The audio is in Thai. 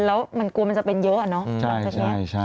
แล้วมันกลัวมันจะเป็นเยอะอ่ะเนาะ